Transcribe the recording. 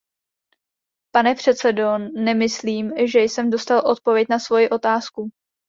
Pane předsedo, nemyslím, že jsem dostal odpověď na svoji otázku.